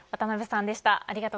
渡辺さんでした。